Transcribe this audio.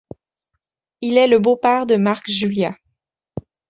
Il est le beau-père de Marc Julia.